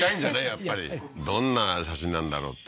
やっぱりどんな写真なんだろうって